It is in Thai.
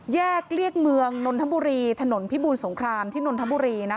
แยกเรียกเมืองนนท์ธรรมบุรีถนนพิบูรสงครามที่นนท์ธรรมบุรีนะคะ